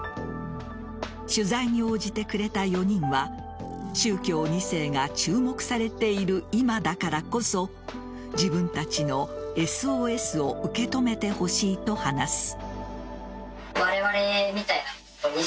取材に応じてくれた４人は宗教２世が注目されている今だからこそ自分たちのＳＯＳを受け止めてほしいと話す。